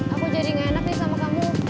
aku jadi ngenak nih sama kamu